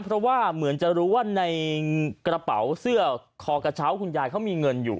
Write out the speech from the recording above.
เพราะว่าเหมือนจะรู้ว่าในกระเป๋าเสื้อคอกระเช้าคุณยายเขามีเงินอยู่